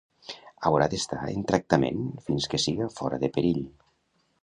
Haurà d'estar en tractament fins que siga fora de perill.